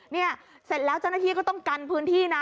เนี่ยเสร็จแล้วเจ้าหน้าที่ก็ต้องกันพื้นที่นะ